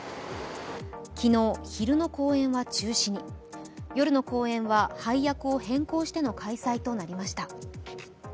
昨日昼の公演は中止に夜の公演は配役を変更しての開催となりました。